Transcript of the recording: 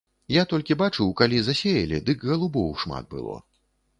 Я толькі бачыў, калі засеялі, дык галубоў шмат было.